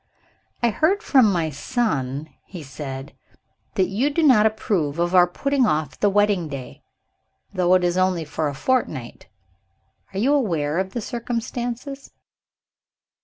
"I hear from my son," he said, "that you do not approve of our putting off the wedding day, though it is only for a fortnight. Are you aware of the circumstances?"